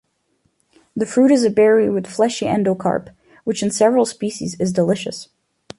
The fruit is a berry with fleshy endocarp, which in several species is delicious.